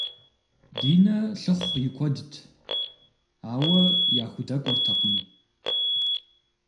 Динэ лъыхъу и куэдт, ауэ яхудэкӏуэртэкъым.